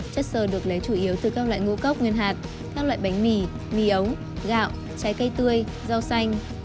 chất sơ được lấy chủ yếu từ các loại ngũ cốc nguyên hạt các loại bánh mì mì ấu gạo trái cây tươi rau xanh